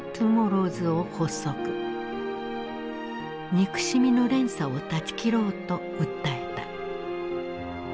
憎しみの連鎖を断ち切ろうと訴えた。